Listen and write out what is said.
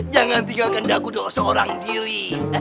jangan tinggalkan aku doa seorang diri